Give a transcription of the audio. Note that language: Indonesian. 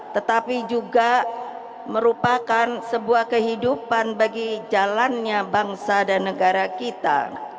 tetapi juga merupakan sebuah kehidupan bagi jalannya bangsa dan negara kita